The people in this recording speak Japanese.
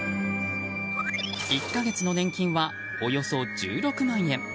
１か月の年金はおよそ１６万円。